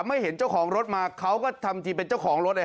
ไม่เห็นเจ้าของรถมาเขาก็ทำทีเป็นเจ้าของรถเลย